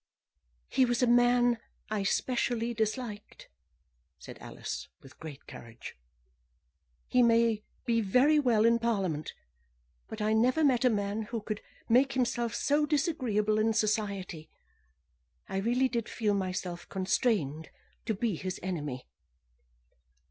"He was a man I specially disliked," said Alice, with great courage. "He may be very well in Parliament; but I never met a man who could make himself so disagreeable in society. I really did feel myself constrained to be his enemy."